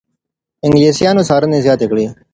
انګلیسانو څارنې زیاتې کړې.